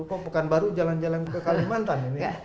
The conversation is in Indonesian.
kok pekanbaru jalan jalan ke kalimantan ini